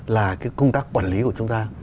là cái công tác quản lý của chúng ta